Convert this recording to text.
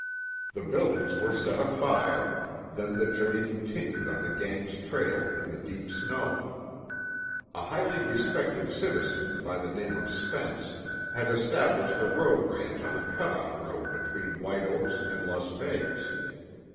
The buildings were set afire, then the journey continued on the gang's trail, in the deep snow. A highly respected citizen, by the name of Spence, had established a road ranch on a cut off road between White Oaks and Las Vegas.